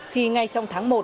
khi ngay trong tháng một